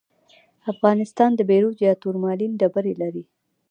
افغانستان د بیروج یا تورمالین ډبرې لري.